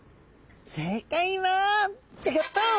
正解はギョギョッと！